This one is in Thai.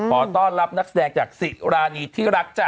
ขอต้อนรับนักแสดงจากสิรานีที่รักจ้